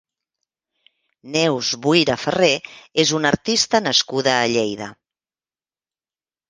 Neus Buira Ferré és una artista nascuda a Lleida.